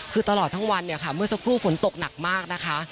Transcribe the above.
คือตลอดทั้งวันเนี่ยค่ะเมื่อสักครู่ฝนตกหนักมากนะคะ